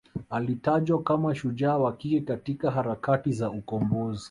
alitajwa kama shujaa wa kike katika harakati za ukombozi